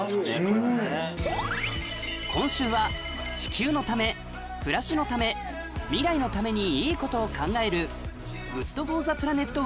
今週は地球のため暮らしのため未来のためにいいことを考える略して＃